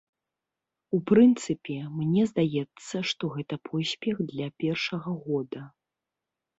У прынцыпе, мне здаецца, што гэта поспех для першага года.